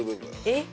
えっ。